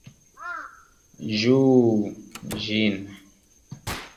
Ĝuu ĝin!